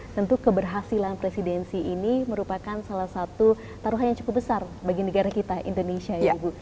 tentu keberhasilan presidensi ini merupakan salah satu taruhan yang cukup besar bagi negara kita indonesia ya ibu